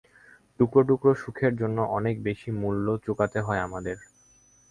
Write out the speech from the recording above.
টুকরো টুকরো সুখের জন্য অনেক বেশী মূল্য চুকাতে হয় আমাদের।